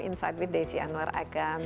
insight with desi anwar akan